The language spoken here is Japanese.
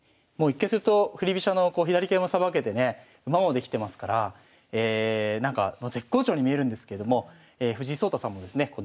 もう一見すると振り飛車の左桂もさばけてね馬もできてますからなんか絶好調に見えるんですけれども藤井聡太さんもですね